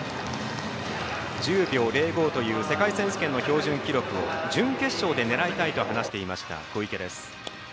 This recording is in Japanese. １０秒０５という世界選手権の標準記録を準決勝で狙いたいと話していました、小池です。